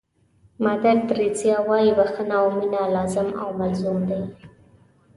مادر تریسیا وایي بښنه او مینه لازم او ملزوم دي.